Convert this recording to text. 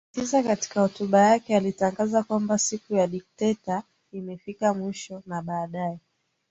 na tisa Katika hotuba yake alitangaza kwamba Siku ya dikteta imefikia mwisho na baadaye